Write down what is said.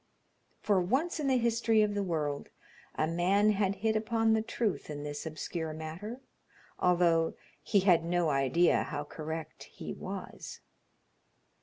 For once in the history of the world a man had hit upon the truth in this obscure matter, although he had no idea how correct he was.